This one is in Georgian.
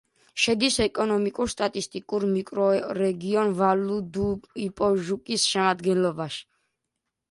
შედის ეკონომიკურ-სტატისტიკურ მიკრორეგიონ ვალი-დუ-იპოჟუკის შემადგენლობაში.